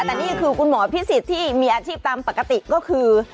แต่นี่คือคุณหมอพิสิทธิ์ที่มีอาชีพตามปกติก็คือ